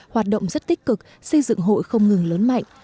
hoạt động rất tích cực xây dựng hội không ngừng lớn mạnh